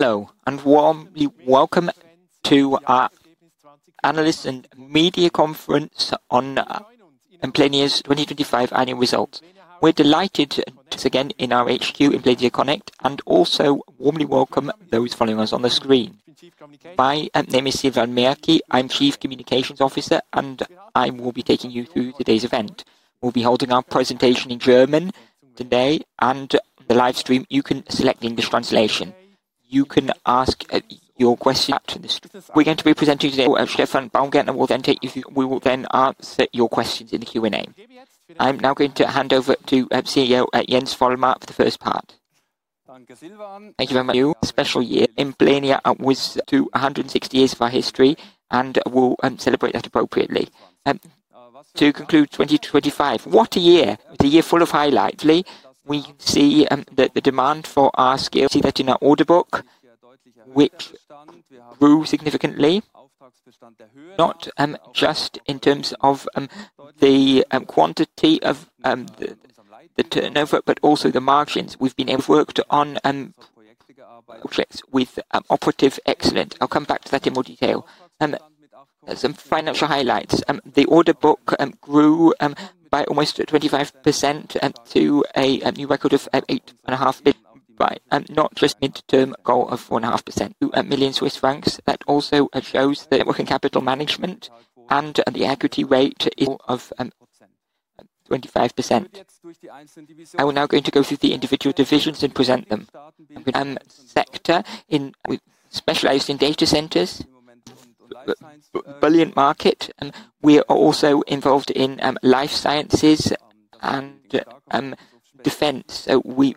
Hello, warmly welcome to our Analyst and Media Conference on Implenia's 2025 annual results. We're delighted to meet again in our HQ, Implenia Connect, and also warmly welcome those following us on the screen. My name is Silvan Merki. I'm Chief Communications Officer, and I will be taking you through today's event. We'll be holding our presentation in German today and the live stream, you can select the English translation. You can ask your question after this. We're going to be presenting today. Stefan Baumgärtner will take you through. We will answer your questions in the Q&A. I'm now going to hand over to CEO Jens Vollmar for the first part. Thank you very much. Special year. Implenia was to 160 years of our history and we'll celebrate that appropriately. To conclude 2025, what a year! It's a year full of highlights. We see the demand for our scale. See that in our order book, which grew significantly, not just in terms of the quantity of the turnover, but also the margins. We've been worked on projects with operative excellence. I'll come back to that in more detail. Some financial highlights. The order book grew by almost 25% to a new record of 8.5 billion. By not just midterm goal of 1.5%. 2 million Swiss francs. That also shows the working capital management and the equity rate is of 25%. I will now going to go through the individual divisions and present them. Sector in, we specialized in data centers. Bullion market, we are also involved in life sciences and defense. We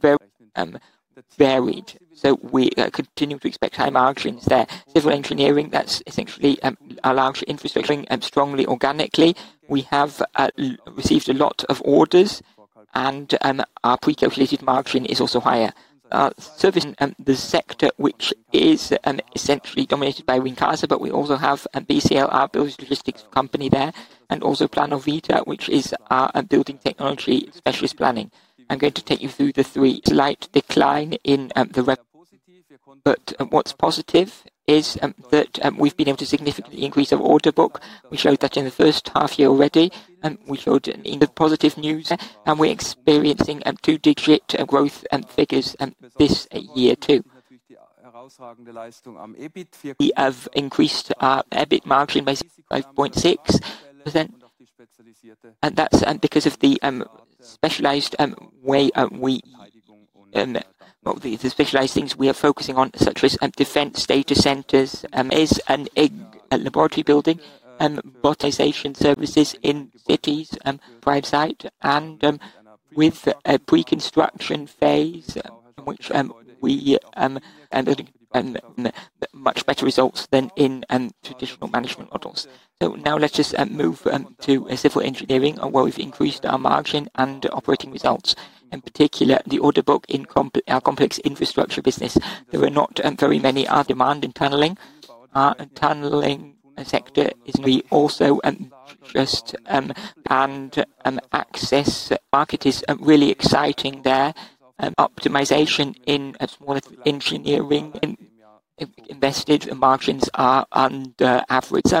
very varied. We continue to expect high margins there. Civil engineering, that's essentially a large infrastructure. Strongly organically. We have received a lot of orders and our precalculated margin is also higher. Service, the sector which is essentially dominated by Wincasa, but we also have BCL, our building logistics company there, and also Planovita, which is our building technology specialist planning. I'm going to take you through the three. Slight decline in. What's positive is that we've been able to significantly increase our order book. We showed that in the first half year already, we showed in the positive news, and we're experiencing two-digit growth and figures this year too. We have increased our EBIT margin by 6.6%. That's because of the specialized way we the specialized things we are focusing on, such as defense data centers, a laboratory building, robotization services in cities, private site, and with a pre-construction phase in which we much better results than in traditional management models. Now let's just move to civil engineering, where we've increased our margin and operating results, in particular the order book in our complex infrastructure business. There were not very many demand in tunneling. Our tunneling sector is we also just and access market is really exciting there. Optimization in a smaller engineering invested margins are under average.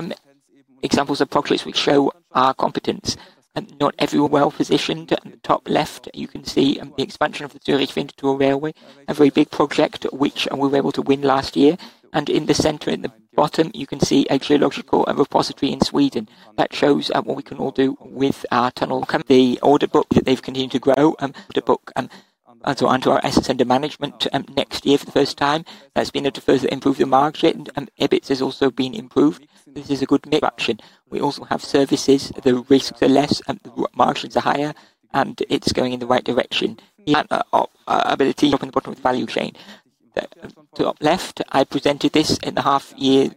Examples of projects which show our competence and not every well-positioned. Top left, you can see the expansion of the Zürich Winterthur railway, a very big project which we were able to win last year. In the center in the bottom, you can see a geological repository in Sweden. That shows what we can all do with our tunnel. The order book that they've continued to grow, the book, so onto our assets under management, next year for the first time. That's been a further improve the margin. EBIT has also been improved. This is a good mix option. We also have services. The risks are less and margins are higher. It's going in the right direction. Yeah. Ability on the bottom of the value chain. The top left, I presented this in the half year,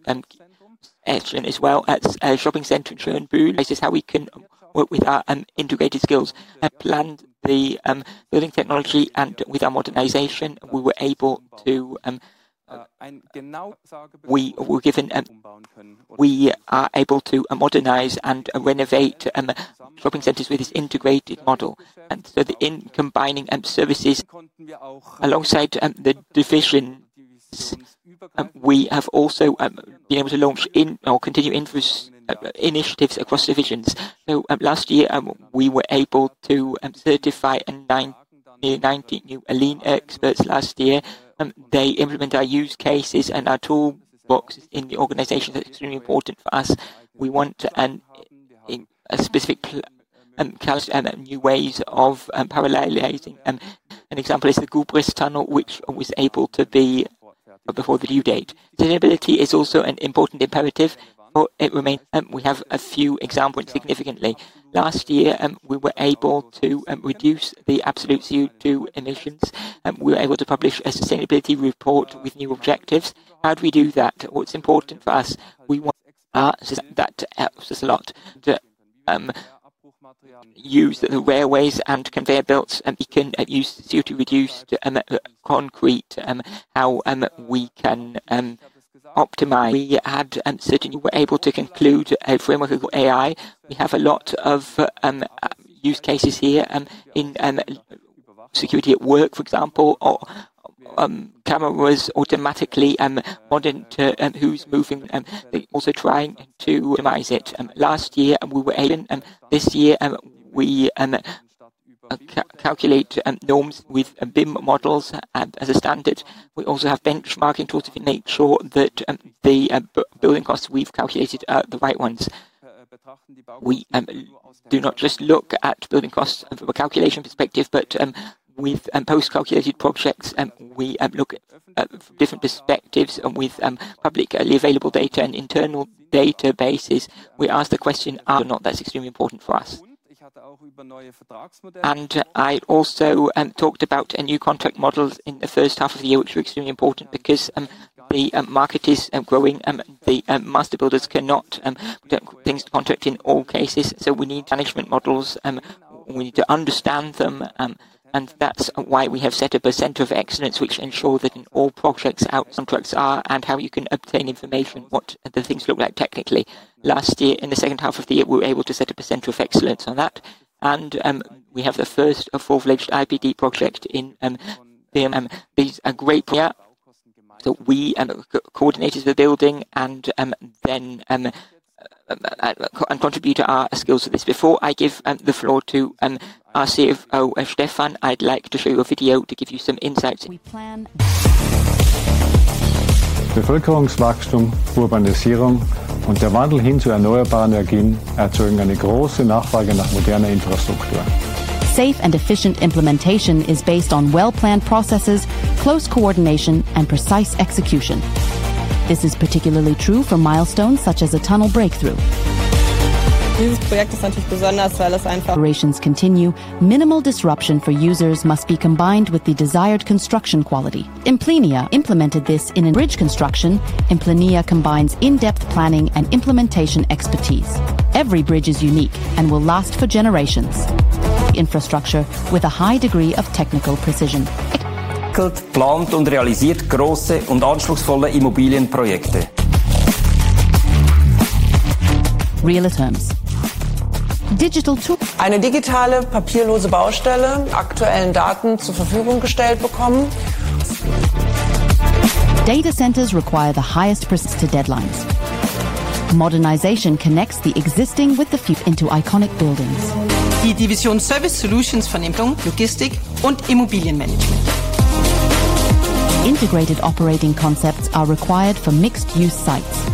as well as a shopping center in Bern. This is how we can work with our integrated skills. I planned the building technology and with our modernization, we were able to, we were given, we are able to modernize and renovate shopping centers with this integrated model. The in combining services alongside the divisions, we have also been able to launch in or continue infras- initiatives across divisions. Last year, we were able to certify 90 new Lean experts last year. They implement our use cases and our toolbox in the organization. That's extremely important for us. We want a specific pl- calc- new ways of parallelizing. An example is the Gubrist Tunnel, which was able to be before the due date. Sustainability is also an important imperative, it remains, we have a few examples significantly. Last year, we were able to reduce the absolute CO2 emissions, we were able to publish a sustainability report with new objectives. How do we do that? What's important for us, we want, that helps us a lot to use the railways and conveyor belts, we can use CO2 reduced concrete, how we can Optimize. Certainly were able to conclude a framework of AI. We have a lot of use cases here, in security at work, for example, or cameras automatically monitor who's moving, also trying to optimize it. Last year, this year, we calculate norms with BIM models as a standard. We also have benchmarking tools to make sure that the building costs we've calculated are the right ones. We do not just look at building costs from a calculation perspective, but with post-calculated projects, we look at different perspectives with publicly available data and internal databases. We ask the question, are not. That's extremely important for us. I also talked about new contract models in the first half of the year, which were extremely important because the market is growing, the master builders cannot build things to contract in all cases. We need management models, we need to understand them, and that's why we have set up a Center of Excellence, which ensure that in all projects our contracts are and how you can obtain information, what the things look like technically. Last year, in the second half of the year, we were able to set up a Center of Excellence on that. We have the first full-fledged IPD project in BIM. There's a great project that we coordinated the building and then and contribute our skills to this. Before I give the floor to our CFO, Stefan, I'd like to show you a video to give you some insight. We plan. Safe and efficient implementation is based on well-planned processes, close coordination, and precise execution. This is particularly true for milestones such as a tunnel breakthrough. Operations continue. Minimal disruption for users must be combined with the desired construction quality. Implenia implemented this in a bridge construction. Implenia combines in-depth planning and implementation expertise. Every bridge is unique and will last for generations. Infrastructure with a high degree of technical precision. Real terms. Digital tools. Data centers require the highest precision to deadlines. Modernization connects the existing with the future into iconic buildings. Integrated operating concepts are required for mixed-use sites.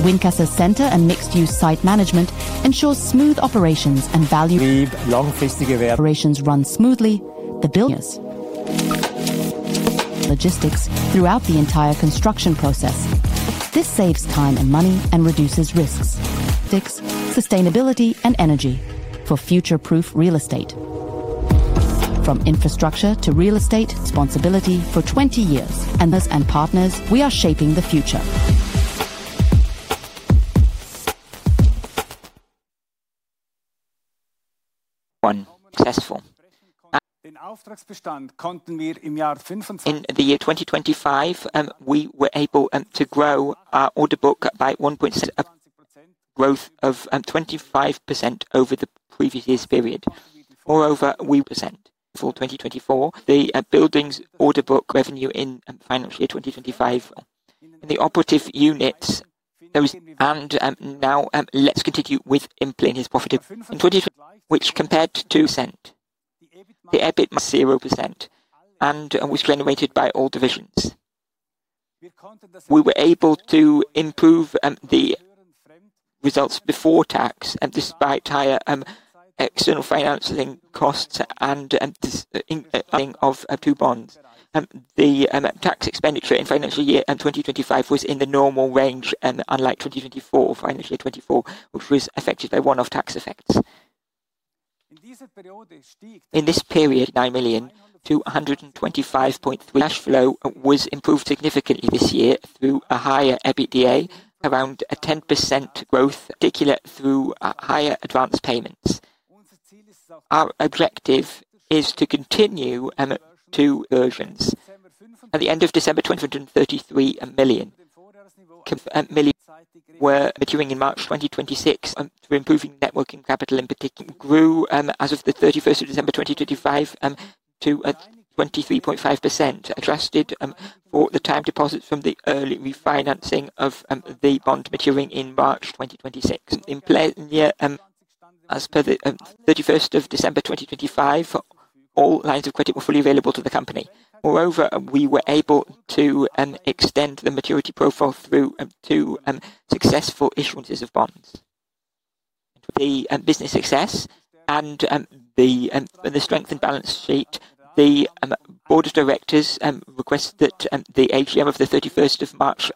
Wincasa Center and mixed-use site management ensures smooth operations and value. Operations run smoothly. The building. Logistics throughout the entire construction process. This saves time and money and reduces risks. Sustainability and energy for future-proof real estate. From infrastructure to real estate, responsibility for 20 years. Us and partners, we are shaping the future. One successful. In the year 2025, we were able to grow our order book by 1.7 billion. Growth of 25% over the previous year's period. Moreover, we present for 2024 the buildings order book revenue in financial year 2025. In the operative units, now let's continue with Implenia's profitability. In 2025, which compared to percent, the EBIT margin 0% and was generated by all divisions. We were able to improve the results before tax despite higher external financing costs and dialing of two bonds. The tax expenditure in financial year 2025 was in the normal range, unlike 2024, financial year 2024, which was affected by one-off tax effects. In this period, 9 million to 125.3 million. Cash flow was improved significantly this year through a higher EBITDA, around a 10% growth, in particular through higher advance payments. Our objective is to continue two versions. At the end of December 2,033,000 were maturing in March 2026. Through improving Net Working Capital, in particular, grew as of the 31st of December 2025, to 23.5%. Adjusted for the time deposits from the early refinancing of the bond maturing in March 2026. Implenia, as per the 31st of December 2025, all lines of credit were fully available to the company. Moreover, we were able to extend the maturity profile through two successful issuances of bonds. The business success and the strength and balance sheet, the board of directors requests that the AGM of the 31st of March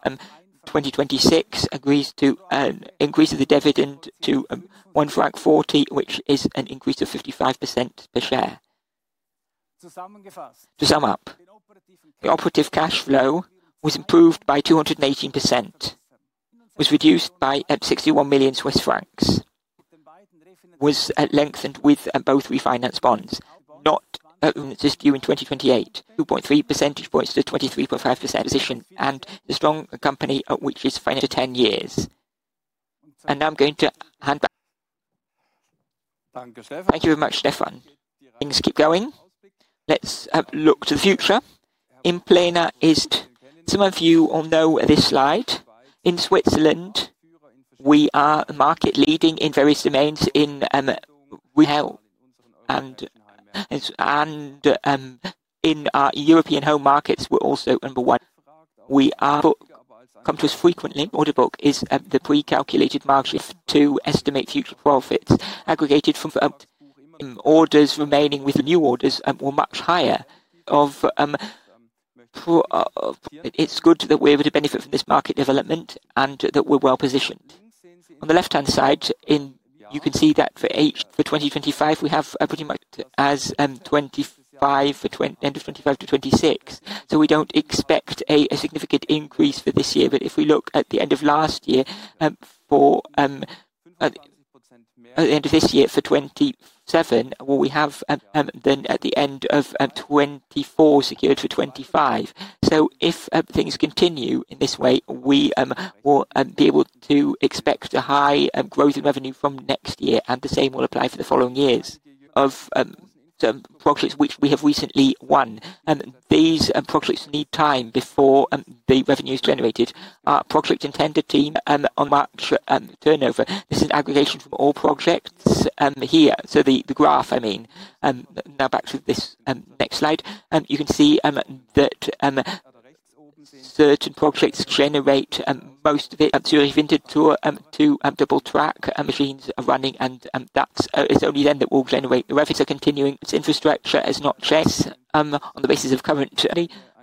2026 agrees to increase the dividend to 1.40 franc, which is an increase of 55% per share. To sum up, the operative cash flow was improved by 218%, was reduced by 61 million Swiss francs. Was lengthened with both refinance bonds, not this due in 2028. 2.3 percentage points to 23.5% position and the strong company, which is final to 10 years. Now I'm going to hand back. Thank you very much, Stefan. Things keep going. Let's look to the future. Implenia is some of you all know this slide. In Switzerland, we are market leading in various domains in, we help in our European home markets, we're also number one. Come to us frequently. Order book is the pre-calculated margin to estimate future profits aggregated from orders remaining with new orders and were much higher of. It's good that we're able to benefit from this market development and that we're well-positioned. On the left-hand side, you can see that for 2025, we have pretty much as 2025 for end of 2025 to 2026. We don't expect a significant increase for this year. If we look at the end of last year, for at the end of this year for 2027, what we have than at the end of 2024 secured for 2025. If things continue in this way, we will be able to expect a high growth in revenue from next year, and the same will apply for the following years of projects which we have recently won. These projects need time before the revenue is generated. Our project intended team on March turnover. This is an aggregation from all projects here. The graph, I mean. Now back to this next slide. You can see that certain projects generate most of it. If you did tour to double track machines are running and that's is only then that will generate. The revenues are continuing. Its infrastructure is not just on the basis of current...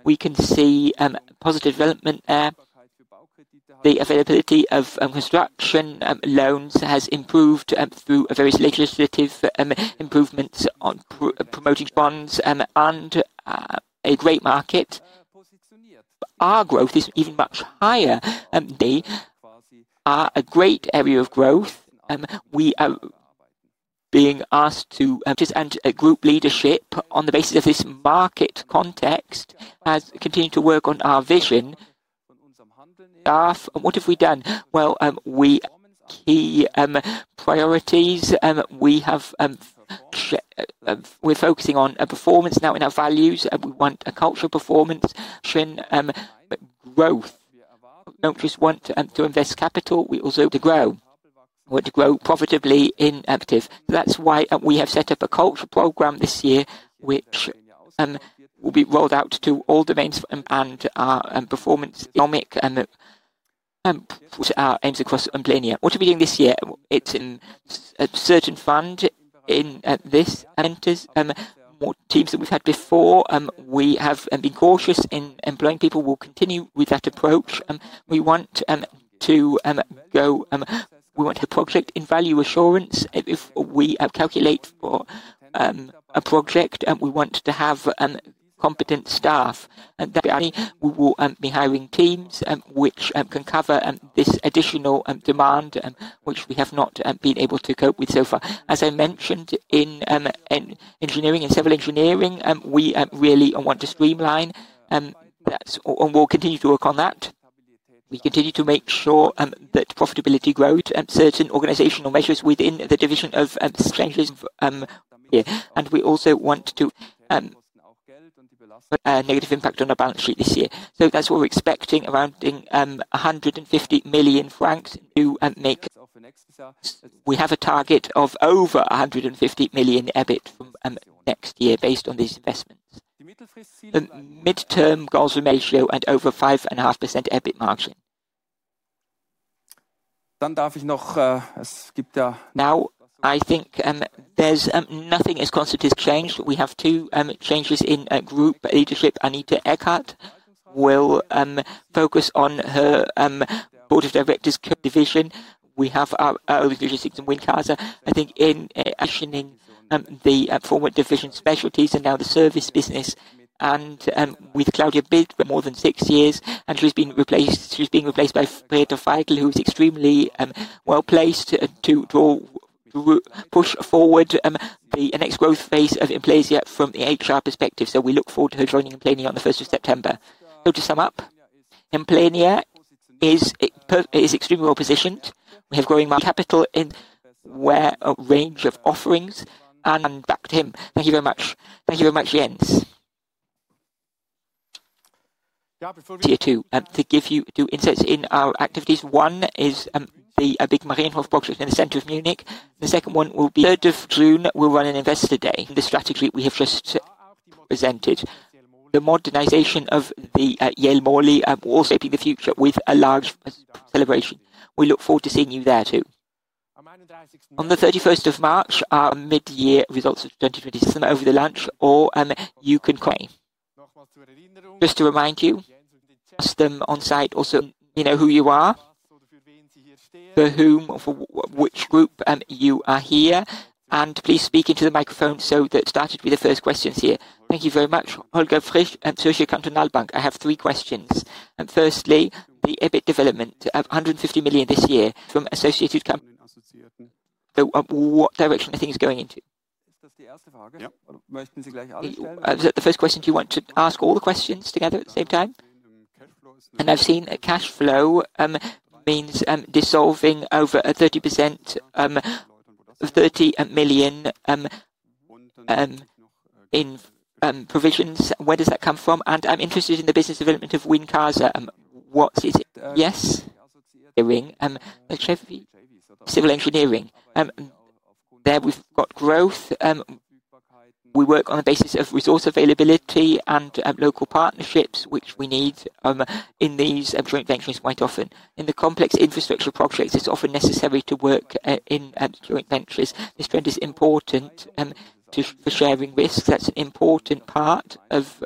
We can see positive development. The availability of construction loans has improved through various legislative improvements on promoting bonds, and a great market. Our growth is even much higher. They are a great area of growth. Just enter a group leadership on the basis of this market context has continued to work on our vision. Staff, what have we done? Well, we key priorities. We have. We're focusing on a performance now in our values, and we want a cultural performance. Shin, growth. Don't just want to invest capital. We also want to grow. We want to grow profitably in active. That's why we have set up a culture program this year, which will be rolled out to all domains and performance. Economic aims across Implenia. What are we doing this year? It's in a certain fund in this. Talents, more teams that we've had before. We have been cautious in employing people. We'll continue with that approach. We want to go, we want to project in Value Assurance. If we calculate for a project and we want to have competent staff. That will be hiring teams which can cover this additional demand which we have not been able to cope with so far. As I mentioned in engineering and civil engineering, we really want to streamline, and we'll continue to work on that. We continue to make sure that profitability growth and certain organizational measures within the division of strategies here. We also want a negative impact on our balance sheet this year. That's what we're expecting around 150 million francs to make. We have a target of over 150 million EBIT from next year based on these investments. The midterm goals ratio and over 5.5% EBIT margin. I think nothing is constant as change. We have two changes in group leadership. Anita Eckardt will focus on her Board of Directors division. We have our division six and Wincasa. I think in auditioning the former division specialties and now the service business. With Claudia Bidwell more than six years, and she's being replaced by Petra Feigl-Fässler, who is extremely well-placed to push forward the next growth phase of Implenia from the HR perspective. We look forward to her joining Implenia on the 1 September. To sum up, Implenia is extremely well-positioned. We have growing market capital in where a range of offerings and back to him. Thank you very much. Thank you very much, Jens. Tier two to give you the insights in our activities. One is the big Marienhof project in the center of Munich. The second one. 3rd of June, we'll run an Investor Day. The strategy we have just presented. The modernization of the Yale Morley, we'll be shaping the future with a large celebration. We look forward to seeing you there too. On the 31st of March, our mid-year results of 2020 system over the lunch, or, you can claim. Just to remind you, ask them on-site also, you know who you are, for whom, for which group, you are here. Please speak into the microphone so that. Start with the first questions here. Thank you very much. Holger Frisch at Zürcher Kantonalbank. I have three questions. Firstly, the EBIT development of 150 million this year from associated comp-- What direction are things going into? Is that the first question? Yeah. The first question, do you want to ask all the questions together at the same time? I've seen cash flow means dissolving over 30%, 30 million in provisions. Where does that come from? I'm interested in the business development of Wincasa. What is it? Yes. Doing a civil engineering. There we've got growth. We work on the basis of resource availability and local partnerships, which we need in these joint ventures quite often. In the complex infrastructure projects, it's often necessary to work in joint ventures. This trend is important for sharing risks. That's an important part of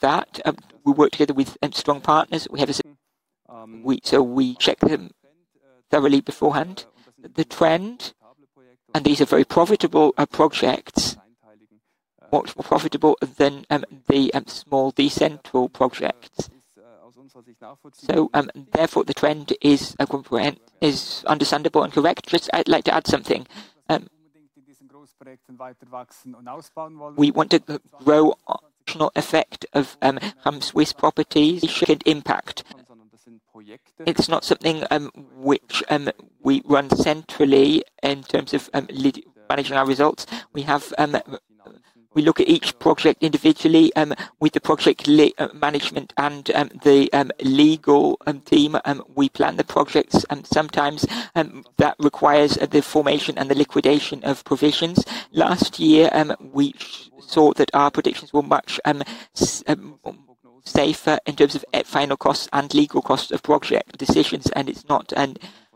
that. We work together with strong partners. We have a certain... So we check them thoroughly beforehand. The trend, these are very profitable projects. Much more profitable than the small, decentral projects. Therefore, the trend is understandable and correct. Just I'd like to add something. We want to grow optional effect of Swiss properties should impact. It's not something which we run centrally in terms of managing our results. We have, we look at each project individually, with the project management and the legal team, we plan the projects, sometimes that requires the formation and the liquidation of provisions. Last year, we saw that our predictions were much safer in terms of final costs and legal costs of project decisions, it's not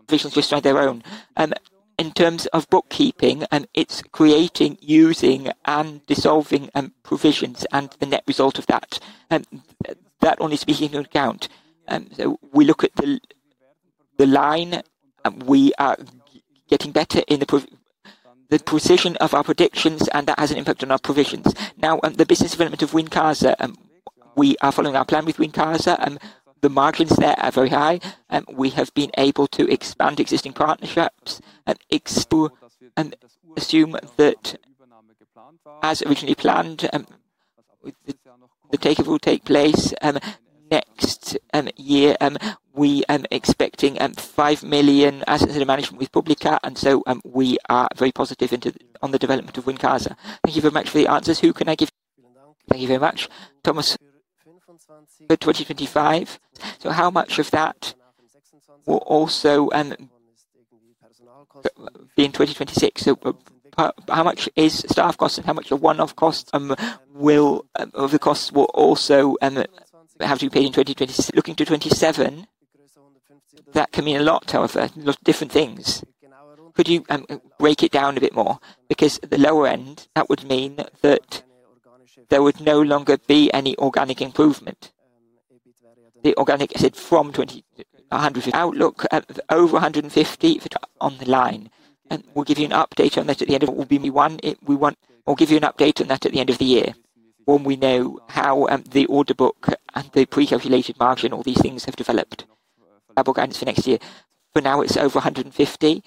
provisions just on their own. In terms of bookkeeping, it's creating, using, and dissolving provisions and the net result of that. That only speaking of account. We look at the line. We are getting better in the precision of our predictions, and that has an impact on our provisions. Now, the business development of Wincasa, we are following our plan with Wincasa. The margins there are very high. We have been able to expand existing partnerships, assume that as originally planned, the takeover will take place next year. We are expecting 5 million assets under management with Publika, and so, we are very positive on the development of Wincasa. Thank you very much for the answers. Who can I give? Thank you very much. Thomas. 2025. How much of that will also be in 2026? How much is staff costs and how much are one-off costs, of the costs will also have to be paid in looking to 2027? That can mean a lot, however, lot of different things. Could you break it down a bit more? Because at the lower end, that would mean that there would no longer be any organic improvement. The organic is from 2,050. Outlook at over 150 on the line. We'll give you an update on this. I'll give you an update on that at the end of the year when we know how, the order book and the pre-calculated margin, all these things have developed. Organics for next year. For now, it's over 150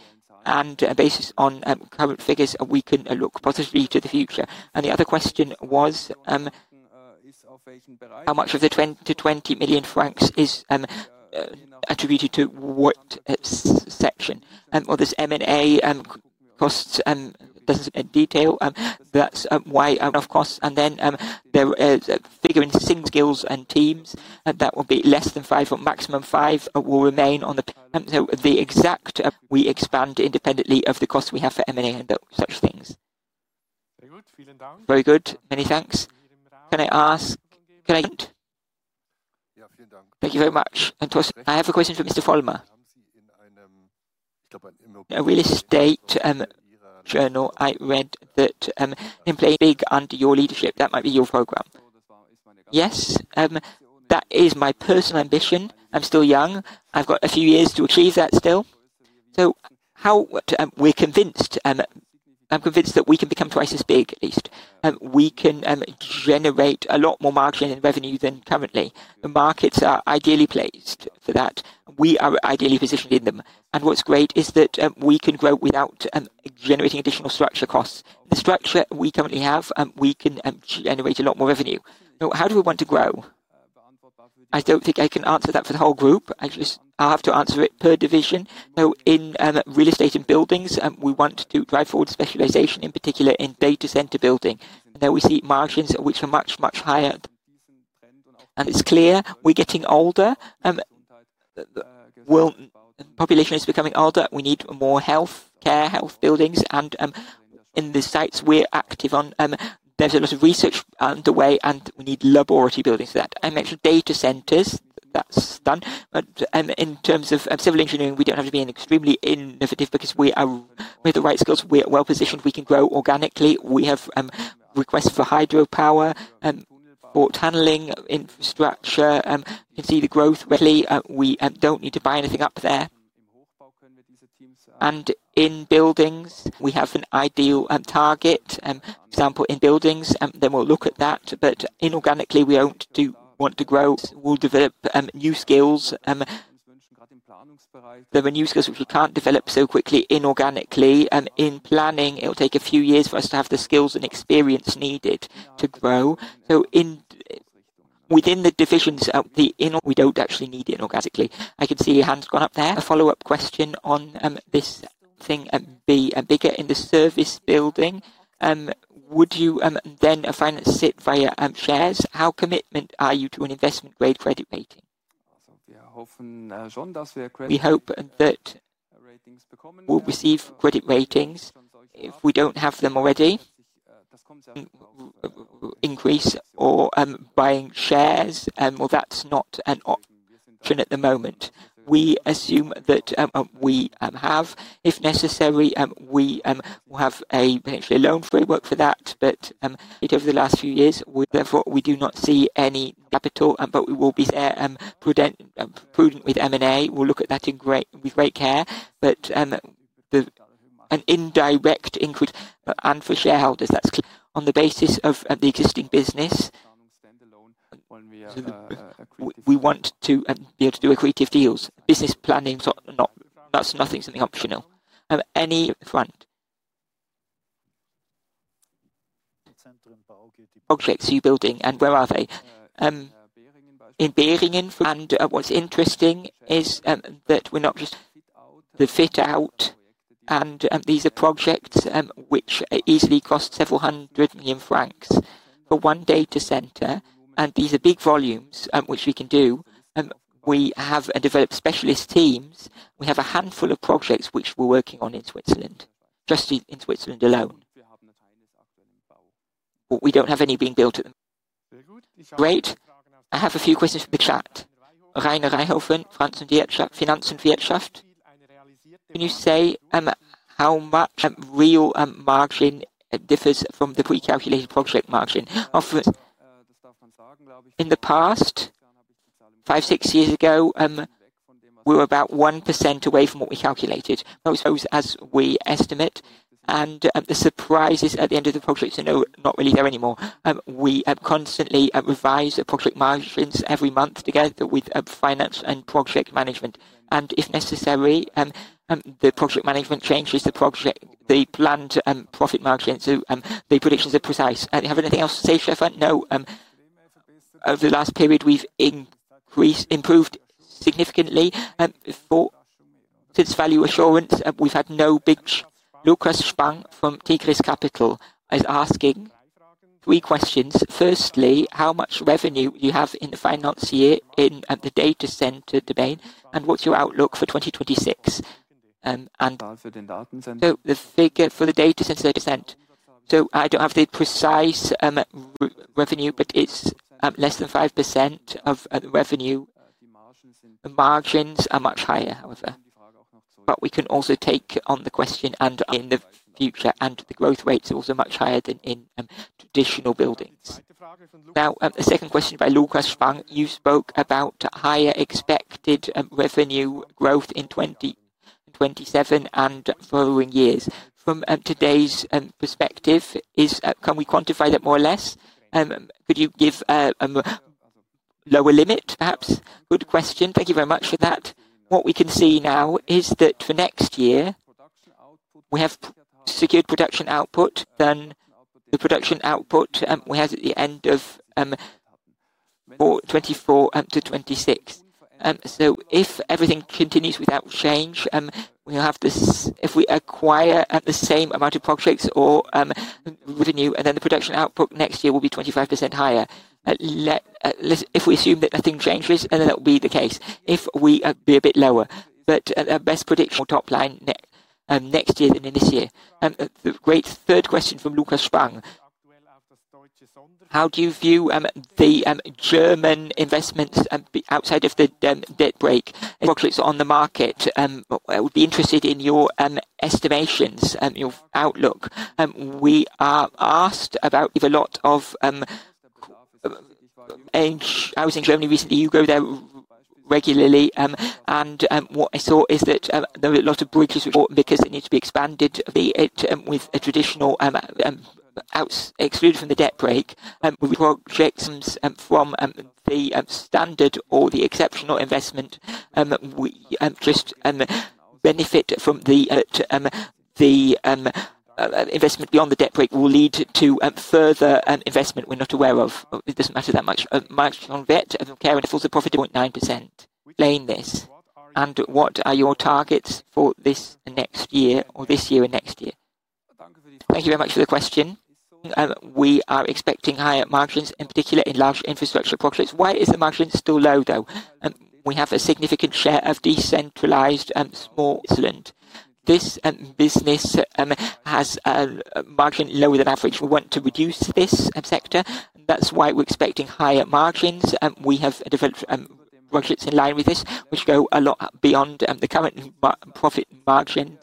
and basis on current figures, we can look positively to the future. The other question was, how much of the 20 million francs is attributed to what section? Or this M&A costs, this in detail. That's why one-off costs. There figure in sync skills and teams, that will be less than 5 million or maximum 5 million will remain on the. The exact, we expand independently of the cost we have for M&A and such things. Very good. Many thanks. Can I ask? Thank you very much. I have a question for Mr. Vollmar. In a real estate journal, I read that Implenia under your leadership, that might be your program. Yes, that is my personal ambition. I'm still young. I've got a few years to achieve that still. We're convinced, I'm convinced that we can become twice as big, at least. We can generate a lot more margin in revenue than currently. The markets are ideally placed for that. We are ideally positioned in them. What's great is that we can grow without generating additional structure costs. The structure we currently have, we can generate a lot more revenue. How do we want to grow? I don't think I can answer that for the whole group. I have to answer it per division. In real estate and buildings, we want to drive forward specialization, in particular in data center building. There we see margins which are much, much higher. It's clear we're getting older. The world population is becoming older. We need more health care, health buildings, and in the sites we're active on, there's a lot of research underway, and we need laboratory buildings for that. Actually data centers, that's done. In terms of civil engineering, we don't have to be extremely innovative because we have the right skills. We are well-positioned. We can grow organically. We have requests for hydropower, port handling infrastructure. You can see the growth really. We don't need to buy anything up there. In buildings, we have an ideal target. Example in buildings, then we'll look at that. Inorganically, we don't want to grow. We'll develop new skills. There were new skills which we can't develop so quickly inorganically. In planning, it'll take a few years for us to have the skills and experience needed to grow. In, within the divisions, we don't actually need inorganically. I can see your hand's gone up there. A follow-up question on this thing, bigger in the service building. Would you then finance it via shares? How commitment are you to an investment grade credit rating? We hope that we'll receive credit ratings if we don't have them already. Increase or buying shares, well, that's not an option at the moment. We assume that we have, if necessary, we will have a potentially loan framework for that. Over the last few years, therefore, we do not see any capital, but we will be prudent with M&A. We'll look at that with great care. An indirect increase, and for shareholders, that's On the basis of the existing business, we want to be able to do accretive deals. Business planning is not. That's nothing, something optional. Any front. Objects you're building and where are they? in Beringen. What's interesting is that we're not just the fit out, and these are projects which easily cost several hundred million francs for one data center. These are big volumes which we can do. We have developed specialist teams. We have a handful of projects which we're working on in Switzerland, just in Switzerland alone. We don't have any being built. Great. I have a few questions from the chat. Rainer Rickenbacher, Finanz und Wirtschaft. Can you say how much real margin differs from the pre-calculated project margin? In the past, five, six years ago, we were about 1% away from what we calculated. As we estimate, and the surprises at the end of the project are not really there anymore. We have constantly revised the project margins every month together with finance and project management. If necessary, the project management changes the project, the planned profit margin. The predictions are precise. Do you have anything else to say, Stefan? No. Over the last period, we've increased, improved significantly. Since Value Assurance, we've had no big. Lukas Spang from Tigris Capital is asking three questions. Firstly, how much revenue you have in the finance year in the data center domain, and what's your outlook for 2026? The figure for the data center, they descent. I don't have the precise revenue, but it's less than 5% of the revenue. The margins are much higher, however. We can also take on the question and in the future, and the growth rate is also much higher than in traditional buildings. Now, the second question by Lukas Spang. You spoke about higher expected revenue growth in 2027 and following years. From today's perspective, can we quantify that more or less? Could you give a lower limit, perhaps? Good question. Thank you very much for that. What we can see now is that for next year, we have secured production output than the production output we had at the end of for 2024 up to 2026. If everything continues without change, we'll have this. If we acquire at the same amount of projects or revenue, the production output next year will be 25% higher. If we assume that nothing changes, that will be the case. If we be a bit lower. Best prediction, top line next year than in this year. The great third question from Lukas Spang. How do you view the German investments outside of the debt brake? Projects on the market. I would be interested in your estimations, your outlook. We are asked about if a lot of, I was in Germany recently, you go there regularly. What I saw is that there were a lot of bridges which, because they need to be expanded, the, with a traditional, excluded from the debt brake. Projects from the standard or the exceptional investment, we just benefit from the investment beyond the debt brake will lead to further investment we're not aware of. It doesn't matter that much. Margin on debt, okay. It's also profit 2.9%. Explain this. What are your targets for this next year or this year and next year? Thank you very much for the question. We are expecting higher margins, in particular in large infrastructure projects. Why is the margin still low, though? We have a significant share of decentralized, small island. This business has a margin lower than average. We want to reduce this sector. That's why we're expecting higher margins. We have developed budgets in line with this, which go a lot beyond the current profit margin.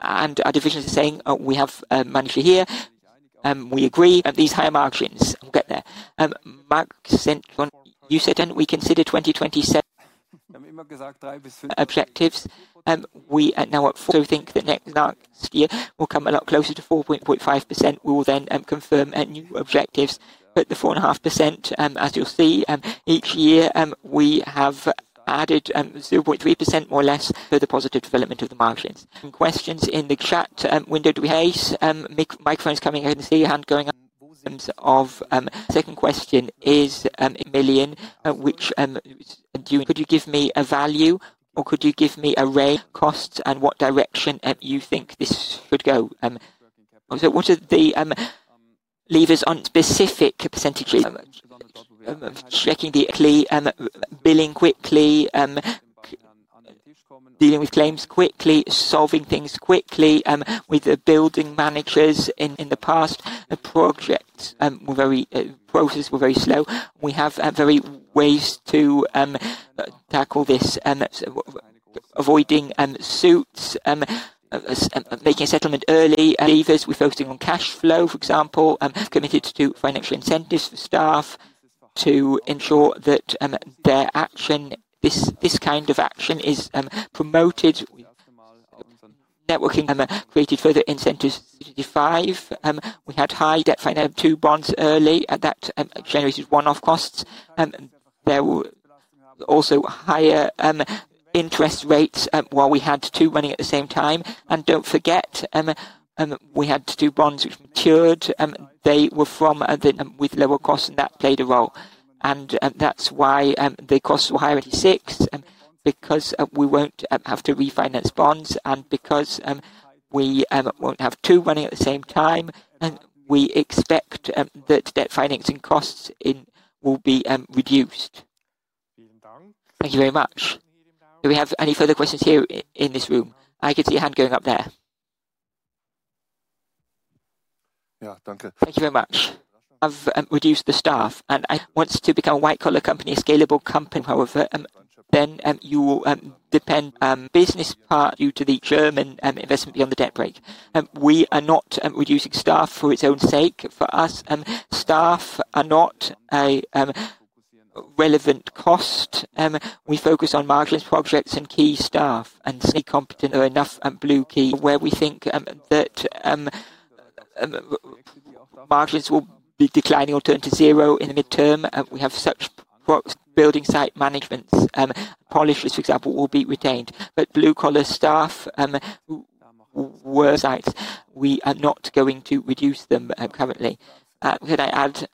Our divisions are saying, "Oh, we have manager here, we agree at these higher margins." We'll get there. Mark sent one... You said then we consider objectives. We are now at 4%. Think that next year will come a lot closer to 4.5%. We will then confirm new objectives. The 4.5%, as you'll see, each year, we have added 0.3% more or less for the positive development of the margins. Questions in the chat window. Do we have microphones coming and see your hand going up. Second question is 1 million, which, could you give me a value or could you give me a range. Costs and what direction you think this should go. What are the levers on specific percentages. Quickly billing quickly dealing with claims quickly, solving things quickly with the building managers. In the past, the projects were very, processes were very slow. We have very ways to tackle this, avoiding suits, making a settlement early. Levers, we're focusing on cash flow, for example. Committed to financial incentives for staff to ensure that their action, this kind of action is promoted. Networking. Created further incentives. 55. We had high debt finance. Two bonds early, that generated one-off costs. There were also higher interest rates while we had two running at the same time. Don't forget, we had two bonds which matured. They were from the with lower costs, that played a role. That's why the costs were higher at 86 million, because we won't have to refinance bonds, and because we won't have two running at the same time, we expect the debt financing costs in will be reduced. Thank you very much. Do we have any further questions here in this room? I can see a hand going up there. Yeah. Danke. Thank you very much. I've reduced the staff and I want to become a white collar company, a scalable company. However, then you will depend business part due to the German investment beyond the debt brake. We are not reducing staff for its own sake. For us, staff are not a relevant cost. We focus on margining projects and key staff, and certainly competent are enough, blue key. We think that margins will be declining or turn to zero in the midterm. We have such building site managements. Polishers, for example, will be retained. Blue collar staff, work sites, we are not going to reduce them currently. Could I add,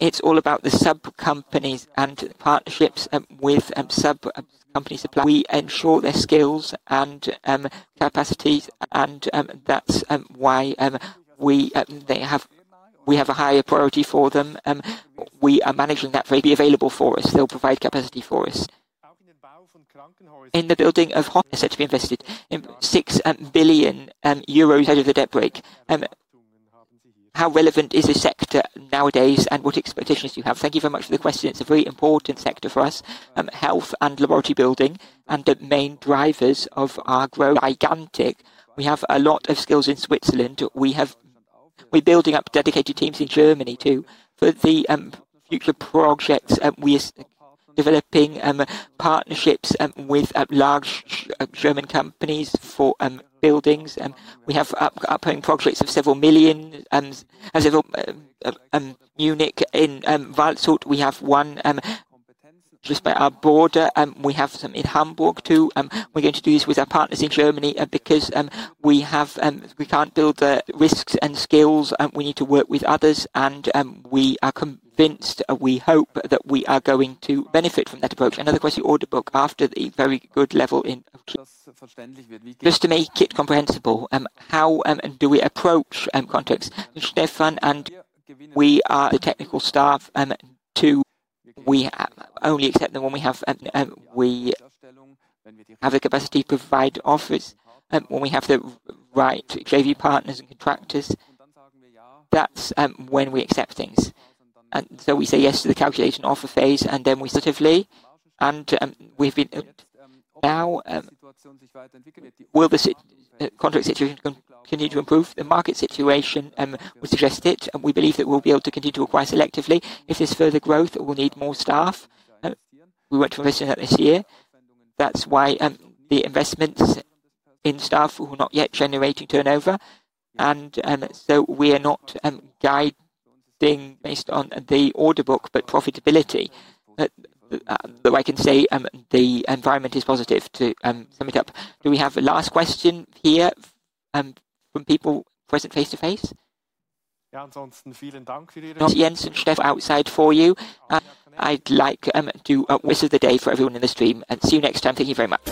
it's all about the sub-companies and partnerships with sub-company suppliers. We ensure their skills and capacities and that's why we have a higher priority for them. We are managing that. Be available for us. They'll provide capacity for us. In the building of hospitals. Said to be invested in 6 billion euros out of the debt brake. How relevant is this sector nowadays, and what expectations do you have? Thank you very much for the question. It's a very important sector for us. Health and laboratory building and the main drivers of our growth. Gigantic. We have a lot of skills in Switzerland. We're building up dedicated teams in Germany too. For the future projects, we are developing partnerships with large German companies for buildings. We have upcoming projects of several million francs as of Munich. In Waldshut, we have one just by our border. We have some in Hamburg too. We're going to do this with our partners in Germany because we can't build the risks and skills. We need to work with others and we are convinced, we hope that we are going to benefit from that approach. Another question. Order book. After the very good level in... Just to make it comprehensible, how do we approach contracts? Stefan and we are the technical staff to... We only accept them when we have the capacity to provide offers, when we have the right JV partners and contractors. That's when we accept things. We say yes to the calculation offer phase, then we positively. We've been... Now, will the contract situation continue to improve? The market situation would suggest it, and we believe that we'll be able to continue to acquire selectively. If there's further growth, we'll need more staff. We were transitioning that this year. That's why the investments in staff were not yet generating turnover. We are not guiding based on the order book, but profitability. Though I can say the environment is positive to sum it up. Do we have a last question here from people present face-to-face? Yeah. Jens Vollmar outside for you. I'd like to wish you the day for everyone in the stream, and see you next time. Thank you very much.